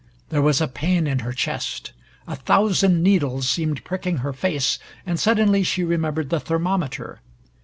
There was a pain in her chest. A thousand needles seemed pricking her face, and suddenly she remembered the thermometer.